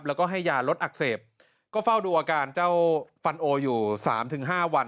แล้วก็ให้ยาลดอักเสบก็เฝ้าดูอาการเจ้าฟันโออยู่สามถึงห้าวัน